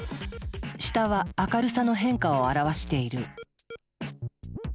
下は明るさの変化を表している。